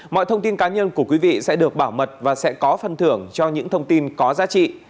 mọi thông tin cá nhân của quý vị sẽ được bảo mật và sẽ có phân thưởng cho những thông tin có giá trị